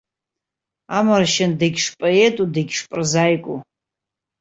Амаршьан дагьшпоету, дагьшпрозаику.